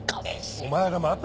お前らまた。